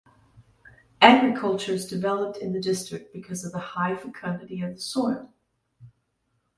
Agriculture is developed in the district because of the high fecundity of the soil.